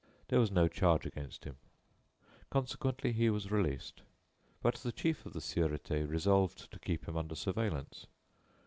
There was no charge against him. Consequently, he was released; but the chief of the Sûrété resolved to keep him under surveillance.